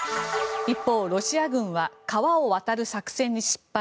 一方、ロシア軍は川を渡る作戦に失敗。